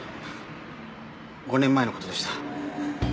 ５年前の事でした。